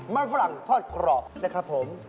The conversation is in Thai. มันฝรั่งทอดกรอบนะครับผม